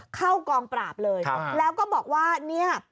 เข้ากองปราบเลยแล้วก็บอกว่าเนี่ย